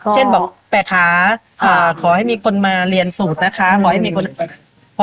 เช่นบอกแปะขาขอให้มีคนมาเรียนสูตรนะคะขอให้มีคนแปลก